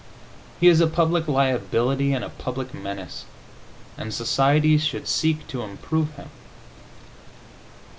He is a public liability and a public menace, and society should seek to improve him.